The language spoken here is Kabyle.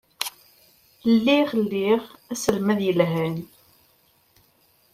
Lliɣ liɣ aselmad yelhan.